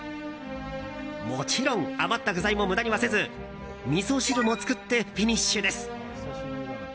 もちろん余った具材も無駄にはせずみそ汁も作ってフィニッシュです。